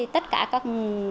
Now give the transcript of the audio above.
tất cả các